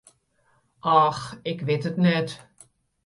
Och, ik wit it net.